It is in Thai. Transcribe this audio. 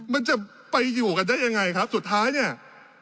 มันจะไปอยู่กันได้ยังไงครับสุดท้ายเนี่ย